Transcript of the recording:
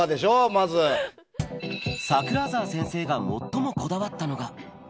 なんだ、桜沢先生が最もこだわったのが。